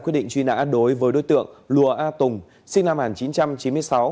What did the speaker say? quyết định truy nã đối với đối tượng lùa a tùng sinh năm một nghìn chín trăm chín mươi sáu